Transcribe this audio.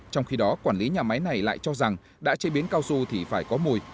trong khi đó quản lý nhà máy này lại cho rằng đã chế biến cao su thì phải có mùi